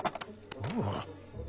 おう。